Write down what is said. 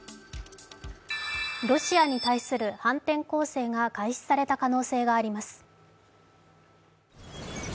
ロシアに対する反転攻勢が開始された可能性があります。